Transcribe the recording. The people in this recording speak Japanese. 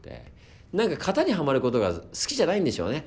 何か型にはまることが好きじゃないんでしょうね